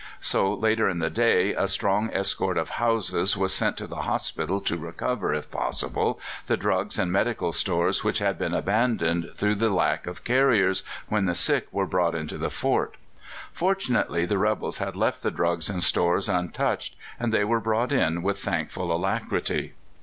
So, later in the day, a strong escort of Hausas was sent to the hospital to recover, if possible, the drugs and medical stores which had been abandoned through lack of carriers when the sick were brought into the fort. Fortunately, the rebels had left the drugs and stores untouched, and they were brought in with thankful alacrity.